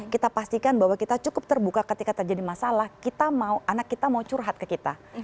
kita pastikan bahwa kita cukup terbuka ketika terjadi masalah kita mau anak kita mau curhat ke kita